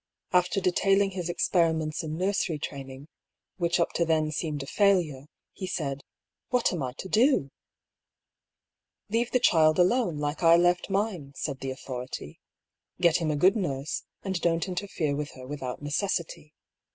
After detailing his experiments in nursery training, which up to then seemed a failure, he said, " What am I to do ?"" Leave the cliild alone, like I left mine," said the authority. " Get him a good nurse, and don't interfere with her without necessity.